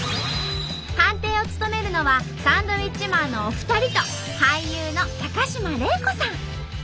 判定を務めるのはサンドウィッチマンのお二人と俳優の高島礼子さん。